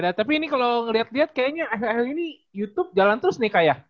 ya tapi ini kalau liat liat kayaknya akhir akhir ini youtube jalan terus nih kayaknya